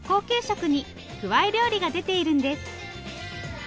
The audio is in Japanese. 給食にくわい料理が出ているんです。